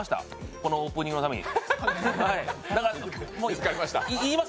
このオープニングのために。